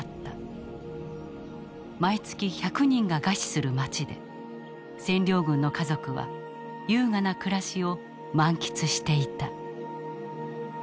毎月１００人が餓死する街で占領軍の家族は優雅な暮らしを満喫していた。